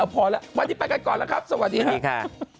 พอแล้ววันนี้ไปกันก่อนแล้วครับสวัสดีค่ะ